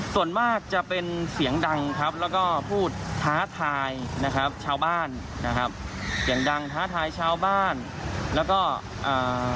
ส่วนมากจะเป็นเสียงดังครับแล้วก็พูดท้าทายนะครับชาวบ้านนะครับเสียงดังท้าทายชาวบ้านแล้วก็อ่า